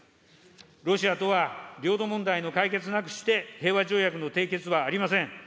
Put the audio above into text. ロシアとは、領土問題の解決なくして平和条約の締結はありません。